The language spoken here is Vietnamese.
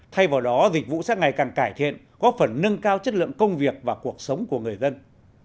thay vào đó dịch vụ sẽ ngày càng cải thiện có phần nâng cao chất lượng công việc và cuộc sống của người dân